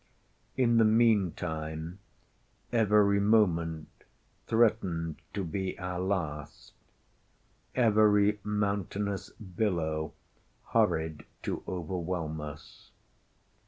In the meantime every moment threatened to be our last—every mountainous billow hurried to overwhelm us.